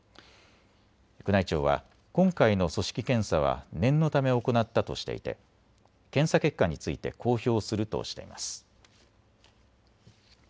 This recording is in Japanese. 宮内庁は今回の組織検査は念のため行ったとしていて検査結果について公表するとしています。